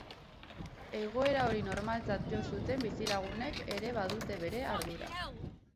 Egoera hori normaltzat jo zuten bizilagunek ere badute bere ardura.